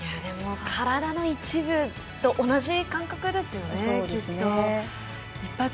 体の一部と同じ感覚ですよね、きっと。